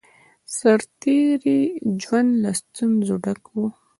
د سرتېری ژوند له ستونزو ډک وو